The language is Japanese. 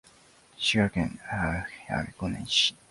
滋賀県彦根市